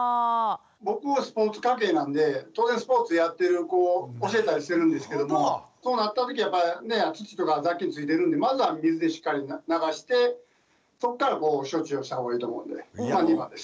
僕はスポーツ関係なんで当然スポーツやってる子教えたりしてるんですけれどもそうなった時はやっぱり土とか雑菌付いてるんでまずは水でしっかり流してそっからこう処置をしたほうがいいと思うんで２番です。